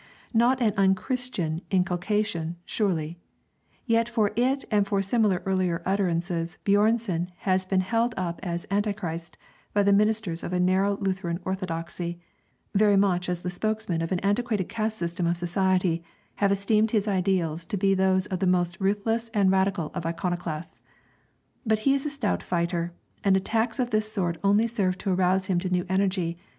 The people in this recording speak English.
Not an unchristian inculcation, surely; yet for it and for similar earlier utterances Björnson has been held up as Antichrist by the ministers of a narrow Lutheran orthodoxy, very much as the spokesmen of an antiquated caste system of society have esteemed his ideas to be those of the most ruthless and radical of iconoclasts. But he is a stout fighter, and attacks of this sort only serve to arouse him to new energy.